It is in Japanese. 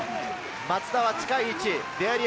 松田は近い位置。